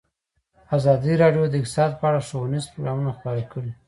ازادي راډیو د اقتصاد په اړه ښوونیز پروګرامونه خپاره کړي.